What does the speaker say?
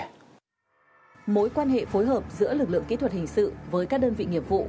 mối quan hệ phối hợp giữa lực lượng kỹ thuật hình sự với các đơn vị nghiệp vụ